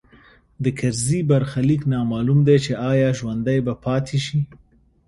د کرزي برخلیک نامعلوم دی چې ایا ژوندی به پاتې شي